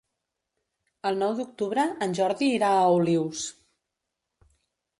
El nou d'octubre en Jordi irà a Olius.